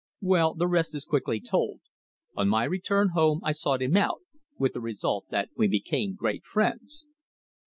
"Well, the rest is quickly told. On my return home I sought him out, with the result that we became great friends."